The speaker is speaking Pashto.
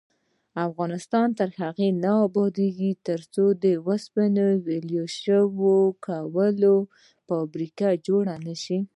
افغانستان تر هغو نه ابادیږي، ترڅو د اوسپنې ویلې کولو فابریکې جوړې نشي.